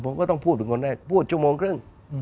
ผมก็ต้องพูดเป็นคนแรกพูดชั่วโมงครึ่ง